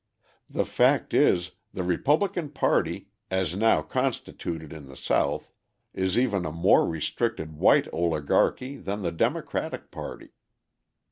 The fact is, the Republican party, as now constituted in the South, is even a more restricted white oligarchy than the Democratic party.